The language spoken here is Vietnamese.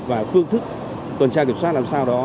và phương thức tuần tra kiểm soát làm sao đó